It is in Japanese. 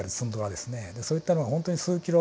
でそういったのがほんとに数キロ